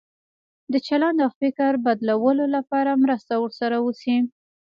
د چلند او فکر بدلولو لپاره مرسته ورسره وشي.